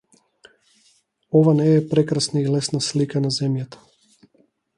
Ова не е прекрасна и лесна слика на земјата.